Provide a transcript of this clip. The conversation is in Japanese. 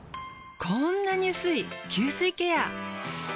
こんなに薄い吸水ケア。